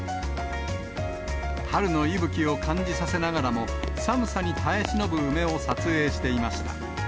春の息吹を感じさせながらも、寒さに耐えしのぶ梅を撮影していました。